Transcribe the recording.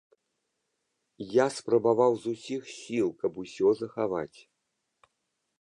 Я спрабаваў з усіх сіл, каб усё захаваць.